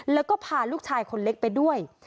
แล้วก็พาลูกชายคนเล็กไปด้วย